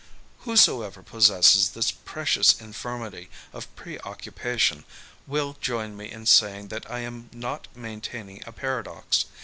Whosoever possesses this precious infirmity of pre occu pation will join me in saying that I am not maintaining a paradox.